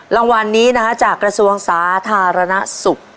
รางวัลนี้นะคะจากกระทรวงสาธารณสุข